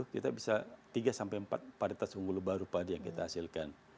jadi rata rata bisa tiga sampai empat paretas unggul baru padi yang kita hasilkan